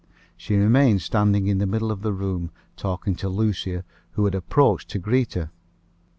She remained standing in the middle of the room, talking to Lucia, who had approached to greet her.